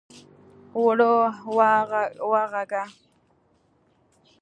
اوړه واغږه!